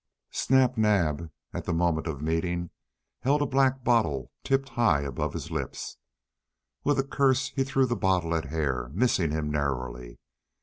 Snap Naab, at the moment of meeting, had a black bottle tipped high above his lips. With a curse he threw the bottle at Hare, missing him narrowly.